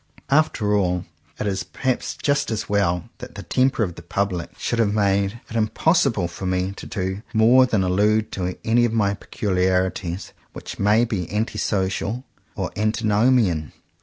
After all it is perhaps just as well that the temper of the public should have made 39 CONFESSIONS OF TWO BROTHERS it impossible for me to do more than allude to any of my peculiarities which may be anti social or antinomian.